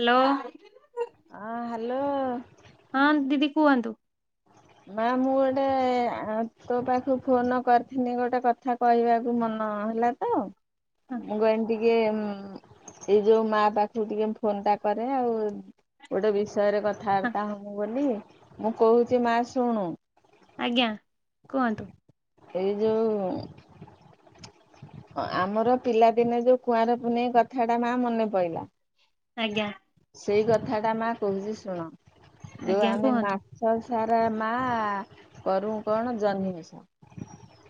Hello. ହଁ, hello. ହଁ ଦିଦି କୁହନ୍ତୁ? [unintelligible] ମା ମୁଁ ଗୋଟେ ଆଁ ତୋ ପାଖକୁ ଫୋନ କରିଥିନି ଗୋଟେ କଥା କହିବାକୁ ମନ ନ ହେଲା ତ, ହଁ ମୁ କହିନ୍ ଟିକେ ମ୍ ଏଇ ଯୋଉ ମା ପାଖକୁ ଟିକେ ମୁ ଫୋନ୍ ଟା କରେ ଆଉ ଗୋଟେ ବିଷୟରେ ହଁ କଥାବାର୍ତ୍ତା ହବୁ ବୋଲି, ମୁଁ କହୁଛି ମା ଶୁଣୁ ଆଜ୍ଞା କୁହନ୍ତୁ? ଏଇ ଯୋଉ ଆମର ପିଲାଦିନେ ଯୋଉ କୁଆଁର ପୁନେଇଁ କଥା ଟା ମା ମନେ ପଇଲା। ଆଜ୍ଞା। ସେଇ କଥା ଟା ମା କହୁଛି ଶୁଣ, ଯୋଉ ଆଜ୍ଞା ଆମେ ମା କୁହନ୍ତୁ ସ ସାରା ମା କରୁ କଣ ଜହ୍ନି ଓଷା।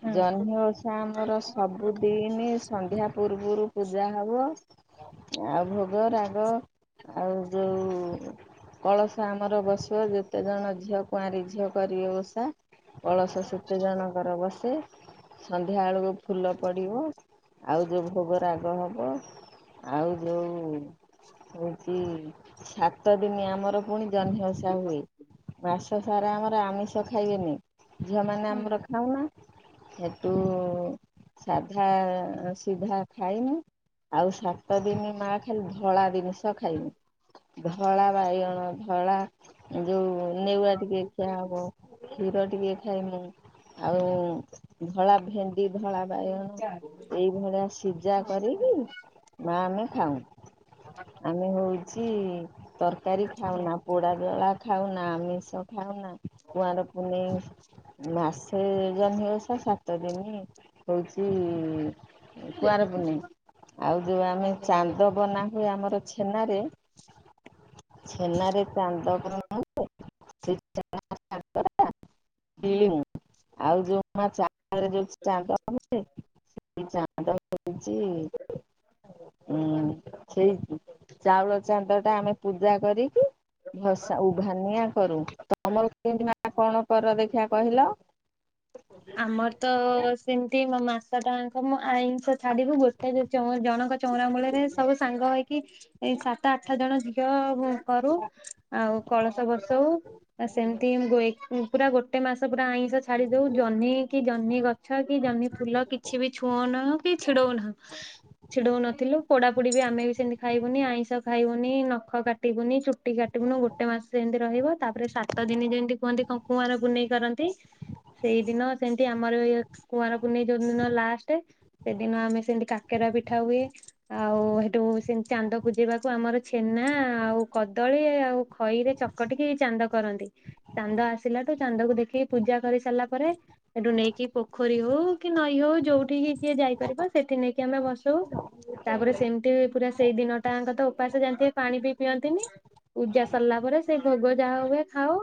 ହଁ ଜହ୍ନି ଓଷା ଆମର ସବୁଦିନି ସନ୍ଧ୍ୟା ପୂର୍ବରୁ ପୂଜା ହବ। ଆଉ ଭୋଗ ରାଗ, ଆଉ ଯୋଉ କଳସ ଆମର ବସିବ, ଯେତେ ଜଣ ଝିଅ କୁଆଁରୀ ଝିଅ କରିବେ ଓଷା କଳସ ସେତେ ଜଣଙ୍କର ବସେ। ସନ୍ଧ୍ୟା ବେଳକୁ ଫୁଲ ପଡିବ, ଆଉ ଯୋଉ ଭୋଗ ରାଗ ହବ। ଆଉ ଯୋଉ ହଉଚି ସାତ ଦିନି ଆମର ପୁଣି ଜହ୍ନି ଓଷା ହୁଏ, ମାସ ତ ସାରା ଆମର ଆମିଷ ଖାଇବେନି, ଝିଅମାନେ ଆମର ଖାଉନା ହେଟୁ ସାଧା ସିଧା ଖାଇମୁଁ, ଆଉ ସାତ ଦିନି ମା ଖାଲି ଧଳା ଜିନିଷ ଖାଇବୁ, ଧଳା ବାଇଗଣ, ଧଳା ଯୋଉ ନେଉଆ ଟିକେ କିଣା ହବ। କ୍ଷୀର ଟିକେ ଖାଇମୁଁ, ଆଉ ଧଳା ଭେଣ୍ଡି, ଧଳା ବାଇଗଣ ଏଇଭଳିଆ ସିଝା କରିକି ମା ଆମେ ଖାଉଁ। ଆମେ ହଉଚି ତରକାରୀ ଖାଉନା, ପୋଡା ଜଳା ଖାଉନା, ଆମିଷ ଖାଉନା, କୁଆଁର ପୁନେଇଁ ମାସ୍ ସେ ଜହ୍ମିଓଷା, ସାତ ଦିନି ହଉଚି କୁଆଁର ପୁନେଇଁ। ଆଉ ଯୋଉ ଆମେ ଚାନ୍ଦ୍ ଦ ବନା ହୁଏ ଆମର ଛେନାରେ, ଛେନାରେ ଚାନ୍ଦ [unintelligible] [unintelligible] ଆଉ ଯୋଉ ମା [unintelligible] [unintelligible] ଉଁ ସେଇ ଚାଉଳ ଚାନ୍ଦ ଟା ଆମେ ପୂଜା କରିକି ଭସା ଉଭାନିଆ କରୁ। ତମର କେମତି ମା' କଣ କର ଦେଖିଆ କହିଲ? ଆମର ତ ସେମିତି ମୋ ମାସ ଟାଙ୍କ ମୁଁ ଆଇଁଷ ଛାଡ଼ିବି। ଗୋଟେ ଯଦି ଜଣଙ୍କ ଚଉରା ମୂଳରେ ସବୁ ସାଙ୍ଗ ହେଇକି। ଏଇ ସାତ ଆଠ ଜଣ ଝିଅ କରୁ ଆଉ କଳସ ବସଉ। ଆ ସେମିତି ହୁଏ। ପୁରା ଗୋଟେ ମାସ ପୁରା ଆଇଁଷ ଛାଡ଼ି ଦୋଉ। କି କି ଜହ୍ନି ଗଛ କି ଜହ୍ନି ଫୁଲ କିଛି ବି ଛୁଉନାହୁଁ କି ଛିଡଉନାହୁଁ। ଛିଡ଼ଉ ନଥିଲୁ। ପୋଡ଼ା ପୋଡ଼ି ବି ଆମେ ବି ସେମିତି ଖାଇବୁନି ଆଇଁଷ ଖାଇବୁନି ନଖ କା କାଟିବୁନି, ଚୁଟି କାଟିବୁନି ଗୋଟେ ମାସ ଏମିତି ରହିବ। ତାପରେ ସାତ ଦିନ ଯେମିତି କୁହନ୍ତି କଁ କୁଆଁରପୁନେଇ କରନ୍ତି। ସେଇଦିନ ସେମିତି ଆମର ବି କୁଆଁର ପୁନେଇଁ ଯୋଉଦିନ ଲାଷ୍ଟ ସେଦିନ ଆମେ ସେମିତି କାକେରା ପିଠା ହୁଏ। ଆଉ ସେଠୁ ସେ ଚାନ୍ଦ ପୂଜେଇବାକୁ ଆମର ଛେନା ଆଉ କଦଳୀ ଆଉ ଖଇରେ ଚକ କଟିକି ଚାନ୍ଦ କରନ୍ତି। ଚାନ୍ଦ ଆସିଲାଠୁ ଚାନ୍ଦକୁ ଦେଖିକି ପୂଜା କରି ସାରିଲା ପରେ ସେଠୁ ନେଇକି ପୋଖରୀ ହଉ କି ନଈ ହଉ ଯୋଉଠିିକି ଯିଏ ଯାଇପାରିବ। ସେଠି ନେଇକି ଆମେ ଭସଉ। ତାପରେ ସେମିତି ପୁରା ସେଇ ଦିନଟାଆଙ୍କ ତ ଉପାସ ଯାଣିଥିବେ ପାଣି ବି ପିଅନ୍ତିନି। ପୂଜା ସରିଲା ପରେ ସେ ଭୋଗ ଯାହା ହୁଏ ଖାାଉ।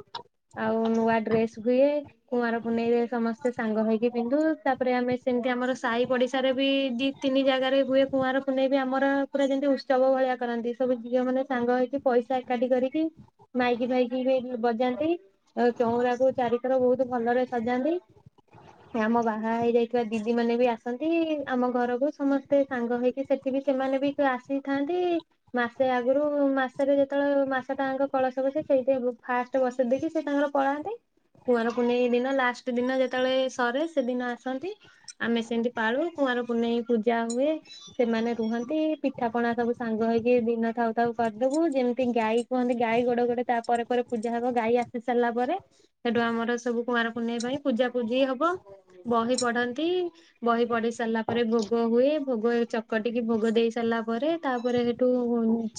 ଆଉ ନୂଆ ଡ୍ରେସ ହୁଏ। କୁଆଁର କୁ ପୁନେଇଁ ରେ ସମସ୍ତେ ସାଙ୍ଗ ହେଇକି ପିନ୍ଧୁ। ତାପରେ ଆମେ ସେମିତି ଆମର ସାହି ପଡ଼ିଶାରେ ବିି ଦି ତିନି ଜାଗାରେ ହୁଏ କୁଆଁରପୁନେଇଁ ବିି ଆମର। ପୁରା ଯେମିତି ଉତ୍ସବ ଭଳିଆ କରାନ୍ତି। ସବୁ ଝିଅ ମାନେ ସାଙ୍ଗ ହେଇକି ପଇସା ଏକାଠି କରିକି ମାଇକି ଫାଇକି ବି ବଜାନ୍ତି। ଆଉ ଚଉଁରା କୁ ଚାରିଥର ବହୁତ ଭଲରେ ସଜାନ୍ତି। ଆମ ବାହା ହେଇଯାଇଥିବା ଦିଦି ମାନେ ବି ଆସନ୍ତି। ଆମ ଘରକୁ ସମସ୍ତେ। ତେ ସାଙ୍ଗ ହେଇକି ସେଠିକି ସେମାନେ ବି ଆସିଥାନ୍ତି। ମାସେ ଆଗରୁ ମାସରେ ଯେତେବେଳେ ମାସ ଟାଙ୍କ କଳସ ବସେ। କେହି କେହି ହେବ ଫାଷ୍ଟ ବସେଇ ଦେଇକି ସେ ତାଙ୍କର ପଳାନ୍ତି। କୁଆଁର ପୁନେଇ ଦିନ ଲାଷ୍ଟ ଦିନ ଯେତେବେଳେ ସରେ। ସେଦିନ ଆସନ୍ତି। ଆମେ ସେମିତି ପାଳୁ। କୁଆଁରପୁନେଇଁ ପୂଜା ହୁଏ। ସେମାନେ ରୁହନ୍ତି। ପିଠା ପଣା ସବୁ ସାଙ୍ଗ ହେଇକି ଦିନ ଥାଉ ଥାଉ କରିଦବୁ। ଯେମିତି ଗାଈ କୁହନ୍ତି ଗାଈ ଗୋଡ଼ ଗୋଟେ ତା ପରେ ପରେ ପୂଜା ହବ। ଗାଈ ଆସି ସାରିଲା ପରେ। ସେଠୁ ଆମର ସବୁ କୁଆଁରପୁନେଇଁ ପାଇଁ ପୂଜା ପୂଜି ହବ। ବହି ପଢନ୍ତି। ବହି ପଢି ସାରିଲା ପରେ ଭୋଗ ହୁଏ। ଭୋଗ ଚକଟିକି ଭୋଗ ଦେଇ ସାରିଲା ପରେ ତାପରେ ସେଠୁ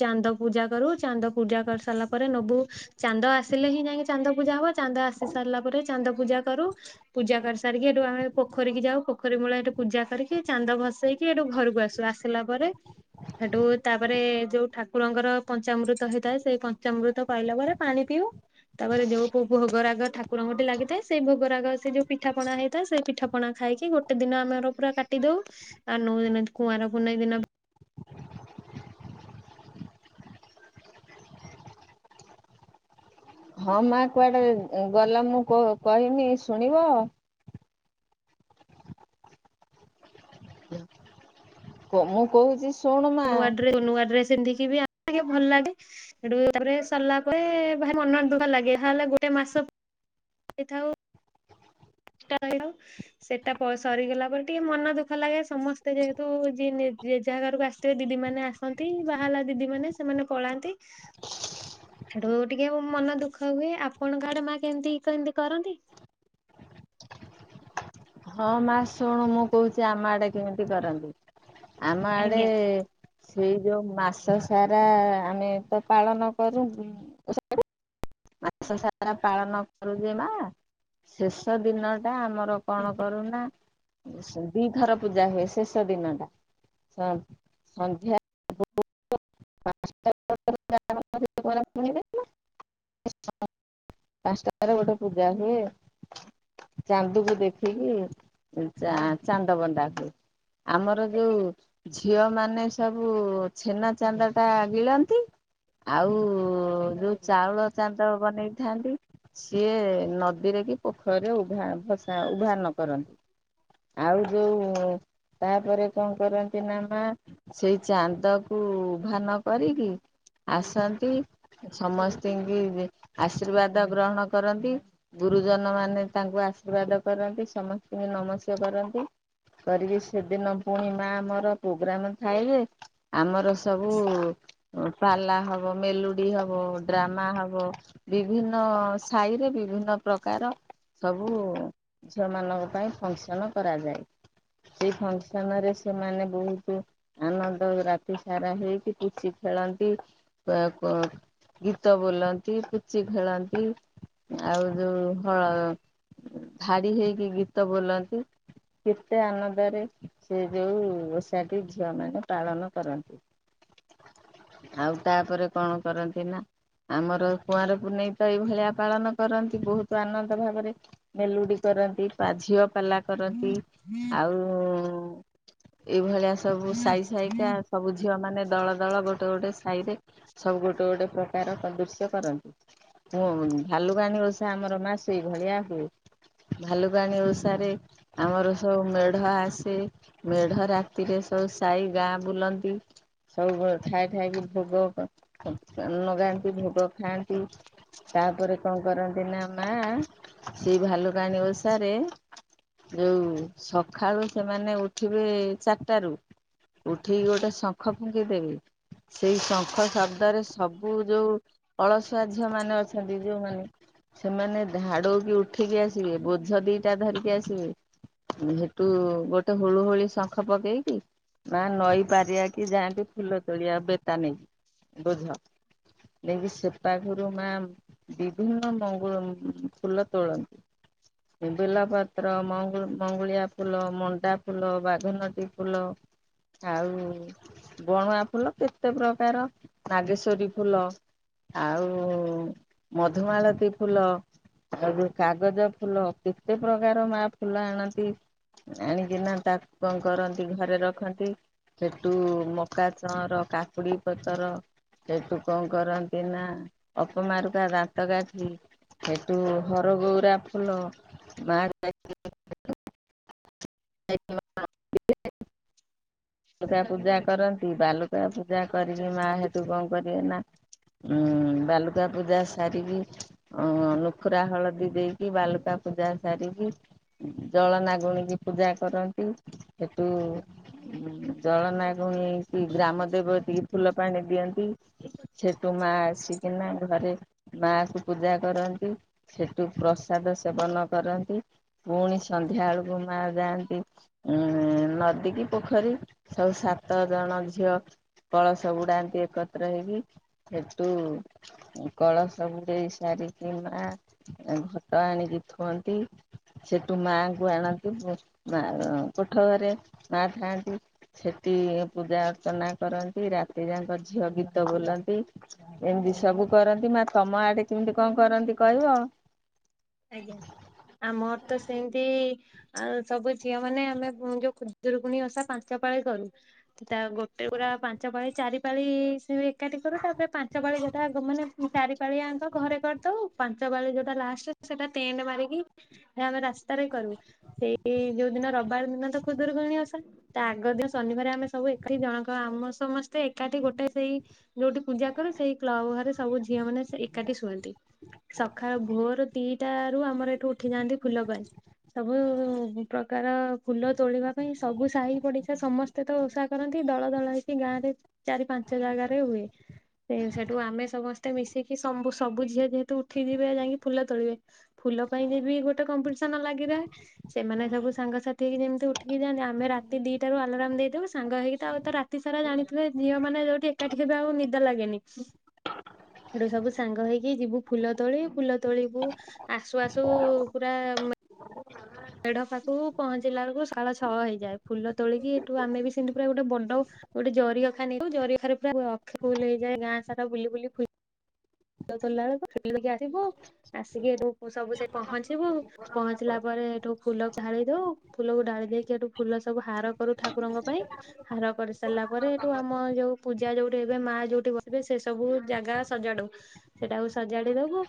ଚାନ୍ଦ ପୂଜା କରୁ। ଚାନ୍ଦ ପୂଜା କରି ସାରିଲା ପରେ ନବୁ ଚାନ୍ଦ ଆସିଲେ ହିଁ ଯାଇକି ଚାନ୍ଦ ପୂଜା ହବ। ଚାନ୍ଦ ଆସି ସାରିଲା ପରେ ଚାନ୍ଦ ପୂଜା କରୁ। ପୂଜା କରିସାରିକି ଏଠୁ ଆମେ ପୋଖରୀ ଯାଉ। ପୋଖରୀ ମୂଳେ ଏଠୁ ପୂଜା କରିକି ଚାନ୍ଦ ଭସେଇକି। ଏଠୁ ଘରକୁ ଆସୁ। ଆସିଲା ପରେ ସେଠୁ ତାପରେ ଯୋଉ ଠାକୁରଙ୍କର ପଞ୍ଚାମୃତ ହେଇଥାଏ। ସେଇ ପଞ୍ଚାମୃତ ପାଇଲା ପରେ ପାଣି ପିଇବୁ। ତାପରେ ଯୋଉ [unintelligible] ଭୋଗରାଗ ଠାକ କୁରଙ୍କଠି ଲାଗିଥାଏ। ସେ ଭୋଗରାଗ ସେ ଯୋଉ ପିଠାପଣା ହେଇଥାଏ। ସେଇ ପିଠା ପଣା ଖାଇକି ଗୋଟେ ଦିନ ଆମର ପୁରା କାଟିଦଉ। ଆଉ ନଉ ଦିନ କୁଆଁରପୁନେଇଁ ଦିନ। ହଁ ମା କୁଆଡ଼େ ଗଲ ମୁଁ କୋ କହିମି ଶୁଣିବ? ମୁଁ କହୁଛି ଶୁଣୁ ମା ନୂଆ ଡ୍ରେ ନୂଆଡ୍ରେସ ପିନ୍ଧିକି ବି [unintelligible] ଭଲ ଲାଗେ। ସେଠୁ ତାପରେ ସରିଲା ପରେ ଭାଇ ମନ ଦୁଃଖ ଲାଗେ। [unintelligible] ଗୋଟେ ମାସ ହେଇଥାଉ ନିଷ୍ଠା ରହିଥାଉ। ସେଟା ପ ସରିଗଲା ପରେ ଟିକେ ମନ ଦୁଃଖ ଲାଗେ ସମସ୍ତେ ଯେହେତୁଯିଏ ଯେ ଯାହା ଘରକୁ ଆସି ଏ ଦିଦିମାନେ ଆସନ୍ତି ବାହାହେଲା ଦିଦିମାନେ ସେମାନେ ପଳାନ୍ତି। [unintelligible] ସେଠୁ ଟିକେ ମନ ଦୁଃଖ ହୁଏ ଆପଣଙ୍କ ଆଡେ ମା କେମିତି କେମିତି କରନ୍ତି? ହଁ ମା ଶୁଣୁ ମୁଁ କହୁଚି ଆମ ଆଡେ କେମିତି କରନ୍ତି ଆମ ଆଡେ ଆଜ୍ଞା ସେଇ ଯୋଉ ମାସ ସାରା ଆମେ ତ ପାଳନ କରୁ। ମାସ ସାରା ପାଳନ କରୁ ଯେ ମା ଶେଷ ଦିନ ଟା ଆମର କଣ କରୁନା ଦିଥର ପୂଜା ହୁଏ ଶେଷ ଦିନ ଟା ସ ସନ୍ଧ୍ୟା ପାଞ୍ଚଟା। ପରିଵେଶ ନା ପାଶଟାପରେ ଗୋଟେ ପୂଜା ହୁଏ। ଚାନ୍ଦୁକୁ ଦେଖିକି ଚା ଚାନ୍ଦ ବନ୍ଧା ହୁଏ। ଆମର ଯୋଉ ଝିଅ ମାନେ ସବୁ ଛେନା ଚାନ୍ଦା ଟା ଗିଳନ୍ତି। ଆଉ ଯୋଉ ଚାଉଳ ଚାନ୍ଦ ବନେଇ ଥାନ୍ତି ସିଏ ନଦୀରେ କି ପୋଖରୀରେ ଉଭା ଭସା ଉଭା ନ କରନ୍ତି। ଆଉ ଯୋଉ ତାପରେ କଣ କରନ୍ତି ନା ମା ସେଇ ଚାନ୍ଦ କୁ ଉଭା ନ କରିକି ଆସନ୍ତି। ସମସ୍ତିଙ୍କି ଆଶୀର୍ବାଦ ଗ୍ରହଣ କରନ୍ତି। ଗୁରୁଜନ ମାନେ ତାଙ୍କୁ ଆଶୀର୍ବାଦ କରନ୍ତି ସମସ୍ତଙ୍କି ନମସ୍ୟ କରନ୍ତି। କରିକି ସେଦିନ ପୁଣି ମା ଆମର ପ୍ରୋଗ୍ରାମ ଥାଏଯେ ଆମର ସବୁ ପାଲା ହବ ମେଲୋଡି ହବ ଡ୍ରାମା ହବ। ବିଭିନ୍ନ ସାହି ରେ ବିଭିନ୍ନ ପ୍ରକାର। ସବୁ ଝିଅମାନଙ୍କ ପାଇଁ ଫଙ୍କସନ୍ କରାଯାଏ। ସେଇ ଫ୍ୟଙ୍କ୍ସନ ସେମାନେ ବହୁତୁ ଆନନ୍ଦ ରାତି ସାରା ହେଇକି ପୁଚି ଖେଳନ୍ତି। କଅ ଗୀତ ବୋଲନ୍ତି ପୁଚି ଖେଳନ୍ତି ଆଉ ଯୋଉ ହଳ ଧାଡିହେଇକି ଗୀତ ବୋଲନ୍ତି। କେତେ ଆନନ୍ଦରେ ସେ ଯେଉ ଓଷାଟି ଝିଅମାନେ ପାଳନ କରନ୍ତି। ଆଉ ତାପରେ କଣ କରନ୍ତି ନା ଆମର କୁଆଁର ପୁନେଇଁ ତ ଏଇ ଭଳିଆ ପାଳନ କରନ୍ତି ବହୁତୁ ଆନନ୍ଦ ଭାବରେ। ମେଲୁଡି କରନ୍ତି ବା ଝିଅ ପାଲା କରନ୍ତି। ଆଉ ଏଇଭଳିଆ ସବୁ ସାଇ ସାଇକା। ସବୁ ଝିଅ ମାନେ ଦଳ ଦଳ ଗୋଟେ ଗୋଟେ ସାଇ ରେ ସବୁ ଗୋଟେ ଗୋଟେ ପ୍ରକାର ଦୃଶ୍ୟ କରନ୍ତି। ଭାଲୁକାଣି ଓଷା ଆମର ମା ସେଇ ଭଳିଆ ହୁଏ। ଭାଲୁକାଣୀ ଓଷାରେ ଆମର ସବୁ ମେଢ ଆସେ। ମେଢ ରାତିରେ ସବୁ ସାାଇ ଗାଁ ବୁଲନ୍ତି। ସବୁ ଠାଏ ଠାଏ ଭୋଗ ଲଗାନ୍ତି ଭୋଗ ଖାଆନ୍ତି। ତାପରେ କଣ କରନ୍ତି ନା ମା ସେଇ ଭାଲୁକାଣୀ ଓଷାରେ। ଯଉ ସଖାଳୁ ସେମାନେ ଉଠିବେ ଚାରିଟାରୁ। ଉଠିକି ଗୋଟେ ଶଙ୍ଖ ଫୁଙ୍କିଦେବେ। ସେଇ ଶଙ୍ଖ ଶବ୍ଦରେ ସବୁ ଯୋଉ ଅଳସ ଛୁଆ ଝିଅ ମାନେ ଅଛନ୍ତି ଯୋଉମାନେ। ସେମାନେ ଧାଡୁକି ଉଠିକି ଆସିବେ, ବୋଝ ଦିଟା ଧରିକି ଆସିବେ। ସେଠୁ ଗୋଟେ ହୁଳୁ ହୁଳି ଶଙ୍ଖ ପକେଇକି ନଈ ପାରିବା କି ଯାଆନ୍ତି ଫୁଲ ତୋଳିଆ ବେତା ନେଇକି ବୋଝ। ନେଇକି ସେ ମା ବିଭିନ୍ନ ମଙ୍ଗୁଳ ଫୁଲ ତୋଳନ୍ତି। ବେଲ, ମଙ୍ଗ ମଙ୍ଗୁଳିଆ ଫୁଲ, ମଣ୍ଡା ଫୁଲ, ବାଘନଟି ଫୁଲ। ଆଉ ବଣୁଆ ଫୁଲ କେତେ ପ୍ରକାର, ନାଗେଶ୍ଵରୀ ଫୁଲ। ଆଉ ମଧୁମାଳତୀ ଫୁଲ। ଆଉ ଯୋଉ କାଗଜ ଫୁଲ କେତେ ପ୍ରକାର ମା ଫୁଲ ଆଣନ୍ତି। ଆଣିକିନା ତାକୁ କଣ କରନ୍ତି ଘରେ ରଖନ୍ତି। ସେଠୁ ମକା ଚଅଁର, କାକୁଡି ପତର ସେଠୁ କଣ କରନ୍ତି ନ୍ତିନା ଅପମାରୁକା ଦାନ୍ତ କାଠି। ହେଠୁ ହରଗଉରା ଫୁଲ ମା ପୂଜା କରନ୍ତି। ବାଲୁ ଲୁକା ପୂଜା କରିକି ମା ହେଟୁ କଣ କରିବେ ନା ହୁଁ ବାଲୁକା ପୂଜା ସାରିକି ନୁଖୁରା ହଳଦୀ ଦେଇକି ବାଲୁକା ପୂଜା ସାରିକି ଜଳ ନାଗୁଣିକି ପୂଜା କରନ୍ତି। ଜଳନାଗୁଣି କି ଗ୍ରାମଦେବତୀ ଫୁଲ ପାଣି ଦିଅନ୍ତି ସେଠୁ ମା ଆସିକିନା ଘରେ ମାଙ୍କୁ ପୂଜା କରନ୍ତି, ସେଠୁ ପ୍ରସାଦ ସେବନ କରନ୍ତି। ପୁଣି ସନ୍ଧ୍ୟା ବେଳକୁ ମା ଯାଆନ୍ତି ଉଁ ନଦୀ କିି ପୋଖରୀ ସବୁ ସାତ ଜଣ ଝିଅ କଳସ ବୁଡାନ୍ତି ଏକତ୍ର ହେଇକି। ସେଠୁ କଳସ ବୁଡେଇ ସାରିକି ମା ଘଟ ଆଣିକି ଥୁଅନ୍ତି। ସେଠୁ ମାଙ୍କୁ ଆଣନ୍ତି, ମା କୋଠ ଘରେ ମା ଥାଆନ୍ତି। ସେଠି ପୂଜା ଅର୍ଚ୍ଚନା କରନ୍ତି। ରାତି ଯାଙ୍କ ଝିଅ ଗୀତ ବୋଲନ୍ତି। ଏମିତି ସବୁ କରନ୍ତି। ମା ତମ ଆଡେ କେମିତି କଣ କରନ୍ତି କହିବ? ଆଜ୍ଞା। ଆମର ତ ସେମିତି ଆଉ ସବୁ ଝିଅ ମାନେ ଆମେ ଯୋଉ ଖୁଦୁରୁକଣୀ ଓସା ପାଞ୍ଚ ପାାଳି କରୁ। ତା ଗୋଟେ ପୁରା ପାଞ୍ଚ ପାଳି ଚାରି ପାଳି ସେ ବି ଏକାଠି କରୁ ତାପରେ ପାଞ୍ଚ ପାଳି ଯୋଉଟା ଯୋଉମାନେ ଚାରି ପାଳି ଆଙ୍କ ଘରେ କରିଦଉ। ପାଞ୍ଚ ପାଳି ଯୋଉଟା ଲାଷ୍ଟ ସେଟା ଟେଣ୍ଟ ମାରିକି ଆମେ ରାସ୍ତାରେ କରୁ। ସେଇ ଯୋଉ ଦିନ ରବିବାର ଦିନ ତ ଖୁଦୁରୁକୁଣି ଓଷା। ତା ଆଗ ଦିନ ଶନିବାର ଆମେ ସବୁ ଏକାଠି ଜଣକ ଆମ ସମସ୍ତେ ଏକାଠି ଗୋଟେ ସେଇ ଯୋଉଠି ପୂଜା କରୁ ସେଇ କ୍ଲବ ଘରେ ସବୁ ଝିଅ ମାନେ ସେ ଏକାଠି ଶୁଅନ୍ତି। ସକାଳ ଭୋରୁ ଦିଟା ରୁ ଆମର ଏଠୁ ଉଠି ଯାଆନ୍ତି ଫୁଲ ପାଇଁ। ସବୁ ପ୍ରକାର ଫୁଲ ତୋଳିବା ପାଇଁ ସବୁ ସାହି ପଡିଶା ସମସ୍ତେ। ତ ଓଷା କରନ୍ତି ଦଳ ଦଳ ହେଇକି ଗାଁ ରେ ଚାରି ପାଞ୍ଚ ଜାଗାରେ ହୁଏ। ସେ ସେଠୁ ଆମେ ସମସ୍ତେ ମିଶିକି ସମ୍ବୁ ସବୁ ଝିଅ ଯେହେତୁ ଉଠିଯିବେ ଯାଇଁକି ଫୁଲ ତୋଳିବେ। ଫୁଲ ପାଇଁକି ବି ଗୋଟେ କମ୍ପିଟିସନ୍ ଲାଗିଯାଏ। ସେମାନେ ସବୁ ସାଙ୍ଗସାଥି ହେଇକି ଯେମିତି ଉଠିକି ଯାଆନ୍ତି। ଆମେ ରାତି ଦିଟା ରୁ ଆଲାରମ୍ ଦେଇଦବୁ ସାଙ୍ଗ ହେଇକି ଆଉ ତ ରାତ୍ ରାତି ସାରା ଜାଣିଥିବେ ଝିଅ ମାନେ ଯୋଉଠି ଏକାଠି ହେବେ ଆଉ ନିଦ ଲାଗେନି। ହ। ସେଠୁ ସବୁ ସାଙ୍ଗ ହେଇକି ଯିବୁ ଫୁଲ ତୋଳି। ଫୁଲ ତୋଳି ଆସୁ ଆସୁ ପୁରା ମେଢ ପାଖକୁ ପହଞ୍ଚିଲା ବେଳକୁ ସାଢେ ଛଅ ହେଇଯାଏ ଫୁଲ ତୋଳିକି ଏଠୁ ଆମେ ବି ସେମିତି ପୁରା ଗୋଟେ ବଡ ଗୋଟେ ଜରିଅଖା ନେଇ ଥାଉ ଜରିଖାରେ ପୁରା ଅଖା ଫୁଲ ହେଇଯଏ ଗାଁ ସାରା ବୁଲି ବୁଲି ଫୁଲ୍ [unintelligible] ଫୁଲ ତୋଳିଲା ଵେଲୁକୁ ବୁଲିକି ଆସିବୁ ଆସିକି ସବୁ ସେ ପହଞ୍ଚିବୁ। ପହଞ୍ଚିଲା ପରେ ଏଠୁ ଫୁଲ ଢାଳି ଦଉ ଫୁଲକୁ ଢାଳି ଦେଇେଇକି ଏଠୁ ଫୁଲ ସବୁ ହାର କରୁ ଠାକୁରଙ୍କ ପାଇଁ। ହାର କରିସାରିଲା ପରେ ଏଇଠୁ ଆମ ଯୋଉ ପୂଜା ଯୋଉଠି ହେବେ ମା ଯୋଉଠି ବସିବେ ସେ ସବୁ ଜାଗା ସଜାଡୁ। ସେଟାକୁ ସଜାଡି ଦବୁ।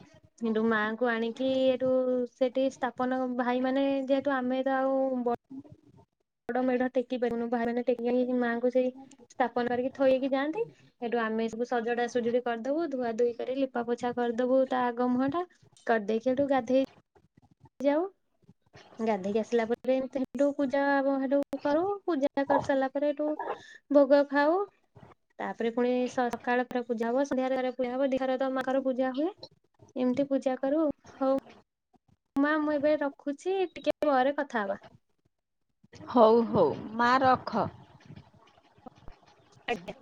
ଏଠୁ ମାଙ୍କୁ ଆଣିକି ଏଠୁ ସେଠି ସ୍ଥାପନ ଭାଇ ମାନେ ଯେହେତୁ ଆମେ ତ ଆଉ ବ ବଡ ମେଢ ଟେକି ପାରିବୁନି ବାହାରେ ଟେକିି ମାଆଙ୍କୁ ସେଇ ସ୍ଥାପନ କରିକି ଥୋଇଇକି ଯାଆନ୍ତି। ସେଠୁ ଆମେ ସବୁ ସଜଡା ସଜୁଡି କରିଦବୁ ଧୁଆ ଧୁୋଇ କରି ଲିପା ପୋଛା କରିଦବୁ ତା ଆଗ ମୁହଁ ଟା କରିଦେଇକି ସେଠୁ ଗାଧେଇ ଯାଉ ଗାଧୋଇକି ଆସିଲା ପରେ ଏମତି ସେଠୁ ପୂଜା [unintelligible] ସେଠୁ କରୁ ପୂଜା କରି ସାରିଲା ପରେ ଏଠୁ ଭୋଗ ଖାଉ। ତାପରେ ପୁଣି ସ -ସକାଳରେ ପୂଜା ହବ ସନ୍ଧ୍ୟାରେ ପୂଜା ହବ ଦିଘ ତ ମାର ପୂଜା ହୁଏ [unintelligible] ଏମିତି ପୂଜା କରୁ ହଉ। ମା ମୁଁ ଏବେ ରଖୁଛି ଟିକେ ପରେ କଥା ହବା। ହଉ ହଉ ମା ରଖ। ଆଜ୍ଞା।